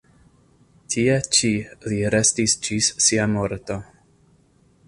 Tie ĉi li restis ĝis sia morto.